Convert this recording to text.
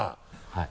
はい。